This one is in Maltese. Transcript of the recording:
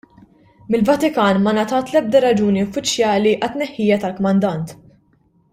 Mill-Vatikan ma ngħatat l-ebda raġuni uffiċjali għat-tneħħija tal-kmandant.